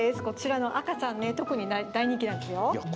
こちらの赤ちゃん特に大人気なんですよ。